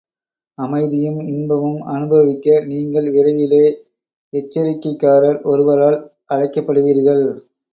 அமைதியும், இன்பமும் அனுபவிக்க நீங்கள் விரைவிலே, எச்சரிக்கைக்காரர் ஒருவரால் அழைக்கப்படுவீர்கள்.